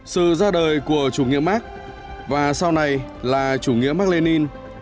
sự ra đời của chủ nghĩa mark và sau này là chủ nghĩa mark lê ninh